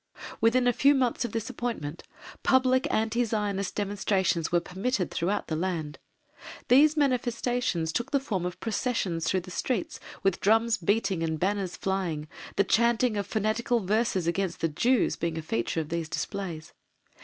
Within a few months of this appointment, public anti Zionist demonstrations were permitted throughout the land. These manifestations took the form of processions through the streets with drums beating and banners flying, the chanting of fanatical verses against the Jews being a feature of these displays.